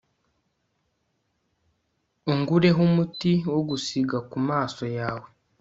ungureho umuti wo gusiga ku maso yawe